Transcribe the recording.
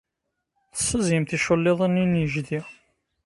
Tessaẓyem ticulliḍin-nni n yejdi.